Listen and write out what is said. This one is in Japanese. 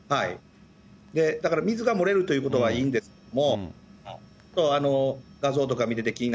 だから、水が漏れるということはいいんですけども。